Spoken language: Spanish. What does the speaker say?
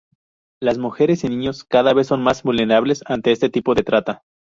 Las mujeres y niños cada vez son más vulnerables ante este tipo de trata.